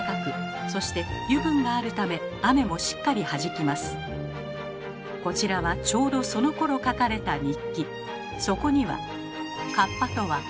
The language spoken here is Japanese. そしてこちらはちょうどそのころ書かれた日記。